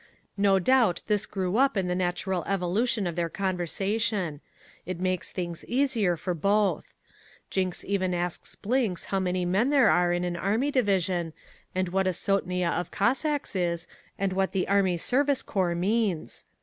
No doubt this grew up in the natural evolution of their conversation. It makes things easier for both. Jinks even asks Blinks how many men there are in an army division, and what a sotnia of Cossacks is and what the Army Service Corps means.